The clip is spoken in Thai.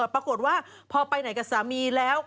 ปรากฏว่าพอไปไหนกับสามีแล้ว